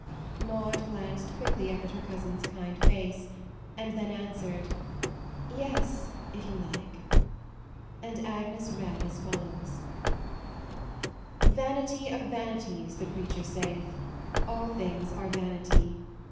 " Maude glanced quickly up at her cousin's kind face, then answered: u Yes, if you like "; and Agnes read as follows: Vanity of vanities, the Preacher saith, All things are vanity.